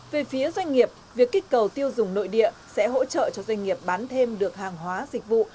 về phía doanh nghiệp việc kích cầu tiêu dùng nội địa sẽ hỗ trợ cho doanh nghiệp bán thêm được hàng hóa dịch vụ